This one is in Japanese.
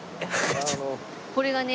これがね